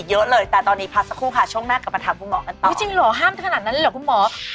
อยากท้องเลยนะครับ